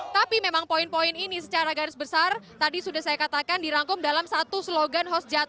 tapi memang poin poin ini secara garis besar tadi sudah saya katakan dirangkum dalam satu slogan hosjati